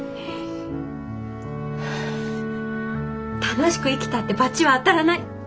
楽しく生きたってバチは当たらない。